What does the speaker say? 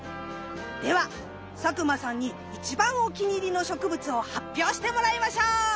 では佐久間さんに一番お気に入りの植物を発表してもらいましょう！